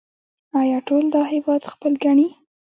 آیا ټول دا هیواد خپل ګڼي؟